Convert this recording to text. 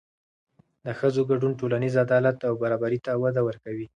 د ښځو ګډون ټولنیز عدالت او برابري ته وده ورکوي.